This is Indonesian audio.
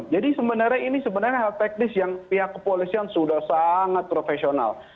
jadi sebenarnya ini hal teknis yang pihak kepolisian sudah sangat profesional